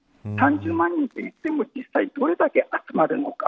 ３０万人といっても実際どれだけ集まるのか。